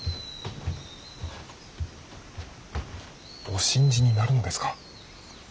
お信じになるのですか。